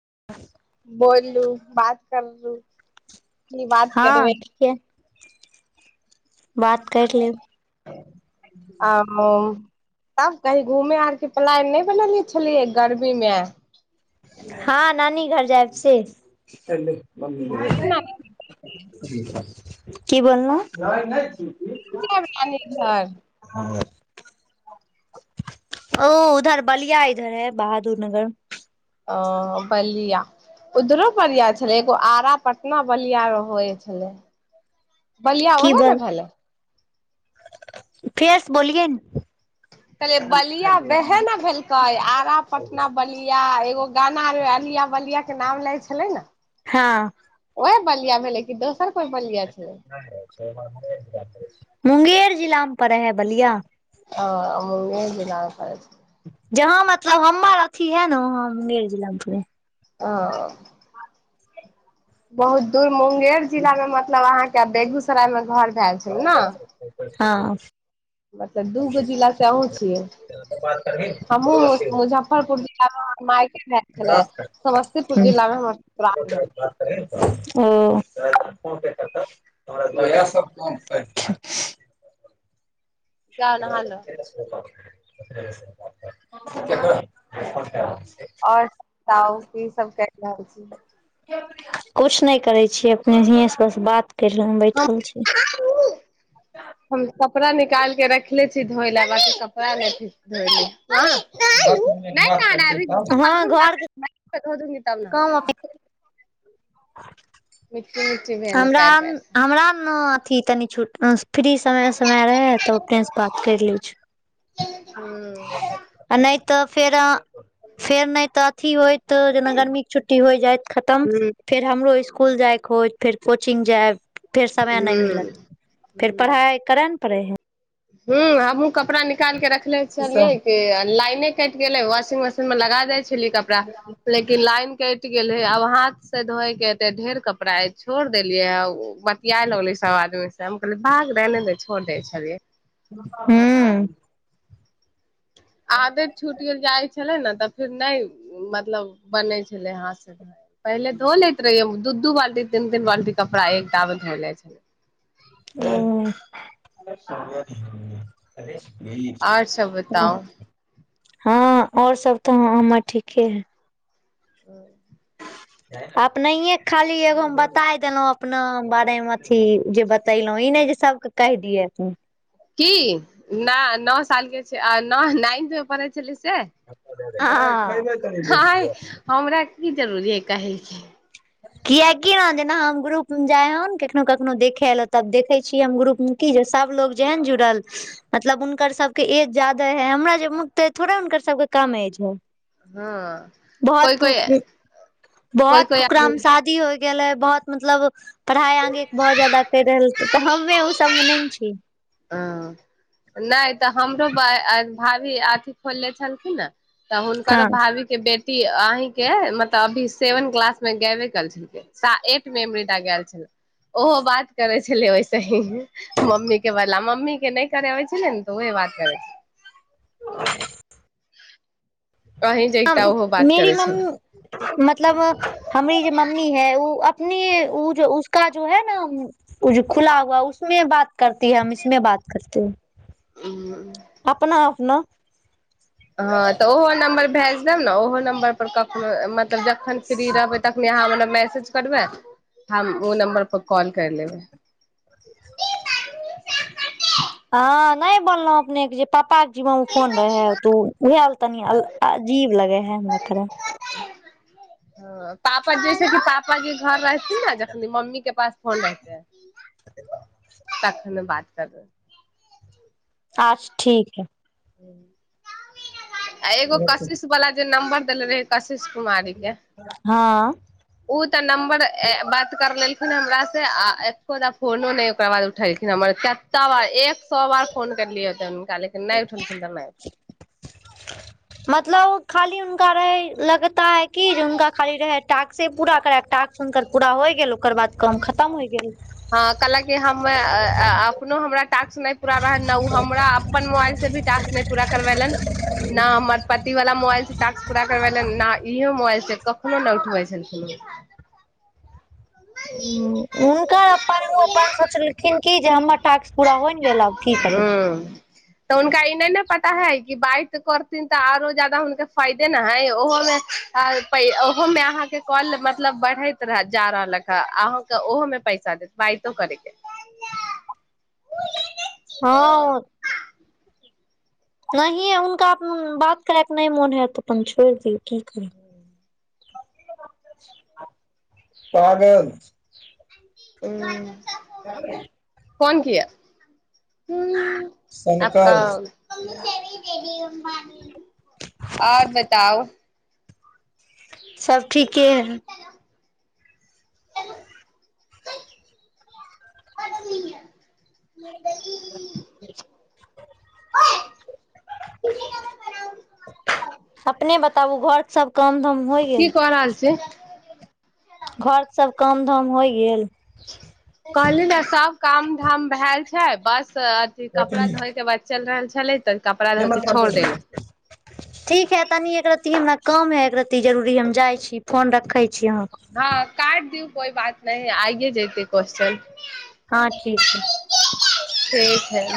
[inaudible] बोललू बात करलू हँ ठीके बात कर लेब आ तब कही घूमे आरके प्लायन नहि बनेलिय छलियै गर्मी मे हँ नानी घर जायब से केना [unintelligible] की बोलनों जाब नानि घर ओ उधर बलिया उधर है बहादुर नगर ओ बलिया उधरो पररिया छलै एगो आरा पटना बलिया होइ छलै बलिया ओहै ने भल फियस बोलिय ने कहलै बलिया वहे ने भेलकै आरा पटना बलिया एगो गाना अलिया बलिया के नाम लै छलै न हँ ओहे बलिया भेलै कि दोसर कोइ बलिया छलै मुंगेर जिलामे पड़े हइ बलिया ह हम जेना करै छै जहाँ मतलब हमर अथी है ने वहा मुंगेर जिला पे आ बहुत दूर मुंगेर जिला मे मतलब अहाँ तब बेगूसराय मे घर भेल छल ने [unintelligible] हँ मतलब दूगो जिला से अहुँ छियै हमहुँ मुजफ्फरपुर जिला म हमर माय के भैल छलै समस्तीपुर जिलामे हमर ससुरल भेल ओ इएह सब काम करी [unintelligible] जाउ नहा लो [unintelligible] [unintelligible] आओर बताउ की सब केर रहल छी कछ नहि करै छियै अपने हिये सब सँ बात कैरलहू बैठल छी हम कपड़ा निकाल के रखले छी धोय ल बाकी कपड़ा नइ धोली दस मिनट बाद करतै कॉल हँ बाथरूम घर [unintelligible] तब न काम मिट्टी भेल है हमरा पैर पैर से हमरा न अथी तनि छुट अ फ्री समय समय रहे तऽ अपने से बात कैर ले छू हू तऽ फेर फेर नहि तऽ अथी होयत जेना गर्मी के छुट्टी होइ जायइत खतम हूं फेर हमरो स्सकुल जाय होइ फेर कोचिंग जायब फेर समय नहि मिलत फेर हूँ पढ़ाइ करन पड़े हैं ह आ कपड़ा निकालके रख छलियै कि लाइने कट गेल वाशिंग मशीन मे लगा दे छै छी कपड़ा लेकिन लाइन कटि गेलै आब हाथ से धोय के ते ढेर कपड़ा अछि छोड़ देलियै बतिया लगलेै सभ आदमी स हम कहलियै भाग रह ने छोड़ दै छलियै हू आदत छुट गेल जे आइ छलै ने तऽ फेर नहि मतलब बने छलै हाथ से पहिले धो लैत रहिये दू दू बाल्टी तीन तीन बाल्टी कपड़ा एक दामे धो ले छल ह आओर सब बताउ हँ आओर सब तऽ ह हमर ठीके है आ नहिए खाली एगो हम बताय देलहुँ अपना बारेमे अथी जे बतेलहुँ ई नहि जे सबके कहि दियै अप की नहि नओ साल के छै न नाइन्थ मे पढ़ै छलै से हँ आय हमरा की जरूरी है कहय के कियाकि ने जेना हम ग्रुप मे जाय ह कखनो कखनो देखे ल तब देखे छीयै हम ग्रुप मे की जे सब लोग जेहन जुड़ल मतलब हुनकर सबके एज ज्यादे है हमरा जे मुक है थोड़े हुनकर सबके कम एज है हँ कोइ कोइ कोइ कोइ क्राम आदमी शादी होइ गेलेलै बहुत मतलब पढ़ाई आगे के बहुत ज्यादा कर रहल ते हमे उ सब मे ने छ छी जी ह नहि तऽ हमरो भाभी अथी खोलले छलखिन ने तऽ हुनकरो हँ भाभी के बेट अहीं के मतलब अभी सेवन क्लास में गेबे क छल एट मे एबरी दा गेल छल ओहो बात करे छले ओैसे ही मम्मी के बला मम्मी के नहि करे होै छै ने त ओ बात करै छै कहीं आ जता ओहो बात मेरी करै मम छलै मतलब हमरी जे मम्मी है ओ अपने ओ उसका जो है न खुला हुआ उसमे बात करती है हम इसमे बात करते है ह अपना न हँ तऽ ओहो नम्बर भेज देब न ओहो नम्बर पर कखनो मत तऽ जखन फ्री रहबै तखनी आहाँ हमरा मैसेज मैसेज करबै हम ओ नम्बर पर कॉल करि लेबै ब हँ नहि बोललहुं अपने जे पापा जी ओ फोन रहे है तू उएहाल तनी अजीब लगे है हमरा थोरा [inaudible] ह पापा जैसे कि पापा जी घर रहथि न जखनी मम्मी के पास फोन ऐतै तखमे बात करबै अच्छ ठीक है [unintelligible] आ एगो कसकिस बला जे नंबर देले रहे कशिश कुमारी के हँ ओ तऽ नम्बर बात कर लेलखिन हमरा से आ एको दा फोनो नहि ओकर बाद उठेलखिन हमर केता बार एक सै बार फोन करलियऐ तहनू काले क नहि उठनि त नहि मतलब खाली उनका रह लगता है की जे हुनका खाली रह टाक्से पूरा टाक्स हुनकर पूरा होय गेल ओकर बाद काम खतम होइ गेल हँ कहलक कि हम अपनो हमरा टास्क नहि पूरा रहल ने ओ हमरा अपन मोबाइल से भी टास्क नहि पूरा करवेलैन न हमर पति वाला मोबाइल से टास्क पूरा करवेलैन न इहो मोबाइल से कखनो नहि उठबै छथिन ओ हुनकर अपन ओ अपन सोचलखिन कि जे हमर टास्क पूरा होइ नऽ गेलै आब की करू तऽ हुनका ई नहि ने पता है कि बाइ करथिन तऽ आरो जादा हुनके फायदे न हई ओहोमे आ पैइ ओहोमे अहाँके कॉल मतलब बढ़ैत रहत जा रहलक त अहके ओहो मे पैसा देत बाइतो करैके हँ नहिये उनका बात करैके नहि मोन हेतै त अपन छोड़ दिय की करबै कहाँ गेल उ [unintelligible] कोन किया हू आपका आओर बताउ सब ठीके [unintelligible] अपने बताबू घर सब कम धाम होइ की गेल कऽ रहल छी घर सब काम धाम होइ गेल कहली ने सब काम ठाम भेल छै बस बस अथी कपड़ा धोय के बाद चल रहल छै छलै तऽ कपड़ा धो के छोड़ देले ठीक है तनी एक रती हमरा कम है एक रत्ती जरुरी हम जाय छी फोन रखे छी अहाँके हँ काटि दियू कोइ बात नहि आइे जेते क्वेश्चन हँ ठीक ठीक हइ ने